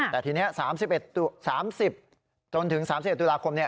วันที่๑ธันวาคมแต่ทีเนี่ย๓๐จนถึง๓๑ตุลาคมเนี่ย